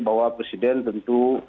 bahwa presiden tentu